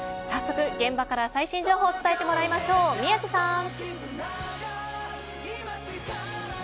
早速、現場から最新情報を伝えてもらいましょ宮司さん。